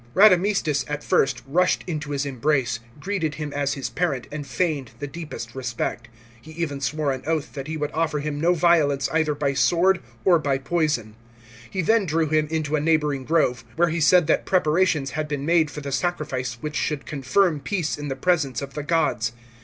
Radamistus at first rushed into his embrace, greeted him as his parent, and feigned the deepest respect. He even swore an oath that he would offer him no violence either by sword or by poison. He then drew him into a neighbouring grove, where he said that preparations had been made for the sacrifice which should confirm peace in the presence of the gods.